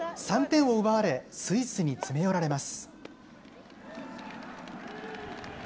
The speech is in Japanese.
３点を奪われ、スイスに詰め寄られます。